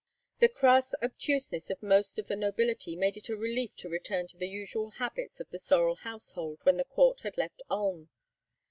The crass obtuseness of most of the nobility made it a relief to return to the usual habits of the Sorel household when the court had left Ulm.